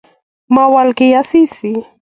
Mowol kiy Asisi